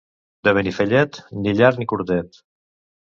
De Benifallet, ni llarg ni curtet.